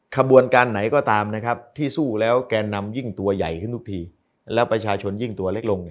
ขบวนการไหนก็ตามนะครับที่สู้แล้วแกนนำยิ่งตัวใหญ่ขึ้นทุกทีแล้วประชาชนยิ่งตัวเล็กลง